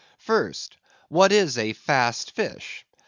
First: What is a Fast Fish?